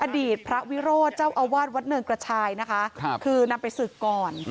อดีตพระวิโรธเจ้าอาวาสวัตน์วัดเนินกระชายคือนำไปสืบก่อน